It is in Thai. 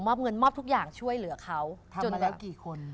เงินมอบทุกอย่างช่วยเหลือเขาจนแล้วกี่คน